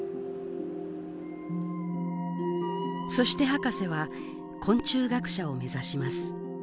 そしてハカセは昆虫学者を目指します。